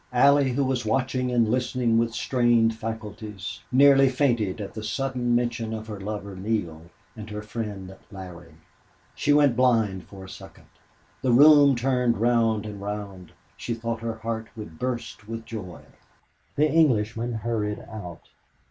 Allie, who was watching and listening with strained faculties, nearly fainted at the sudden mention of her lover Neale and her friend Larry. She went blind for a second; the room turned round and round; she thought her heart would burst with joy. The Englishman hurried out.